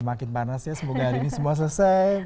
semakin panas ya semoga hari ini semua selesai